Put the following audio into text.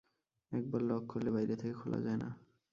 একবার লক করলে বাইরে থেকে খোলা যায় না।